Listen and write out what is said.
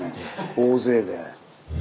大勢で。